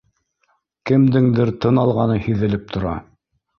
Кемдеңдер тын алғаны һиҙелеп тора